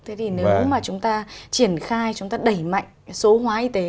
thế thì nếu mà chúng ta triển khai chúng ta đẩy mạnh số hóa y tế